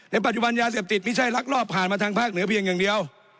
ปัจจุบันยาเสพติดไม่ใช่ลักลอบผ่านมาทางภาคเหนือเพียงอย่างเดียว